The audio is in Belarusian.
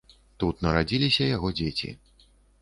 Тут нарадзіліся яго дзеці.